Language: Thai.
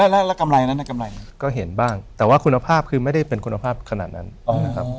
แล้วกำไรนั้นกำไรก็เห็นบ้างแต่ว่าคุณภาพคือไม่ได้เป็นคุณภาพขนาดนั้นนะครับ